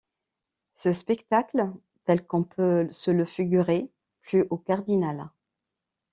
Ce spectacle, tel qu’on peut se le figurer, plut au cardinal.